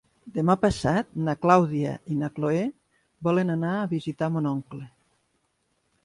Demà passat na Clàudia i na Cloè volen anar a visitar mon oncle.